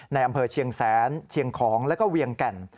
ในอำเภอเชียงแสนเชียงของแล้วก็เวียงแก่น